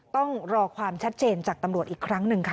ต้องรอความชัดเจนจากตำรวจอีกครั้งหนึ่งค่ะ